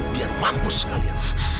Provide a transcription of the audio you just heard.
biar mampus sekalian